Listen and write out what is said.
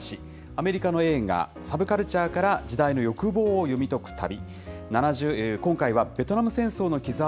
アメリカの映画、サブカルチャーから時代の欲望を読み解く旅。